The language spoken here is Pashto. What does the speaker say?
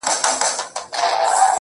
که غنمرنگ ، کښته سي پورته سي